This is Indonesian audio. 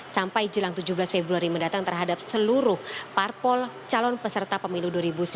sampai jelang tujuh belas februari mendatang terhadap seluruh parpol calon peserta pemilu dua ribu sembilan belas